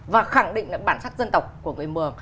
và khẳng định lại bản sắc dân tộc của người mường